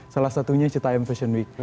salah satunya cita m fashion week